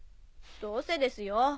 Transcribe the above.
どうせですよ。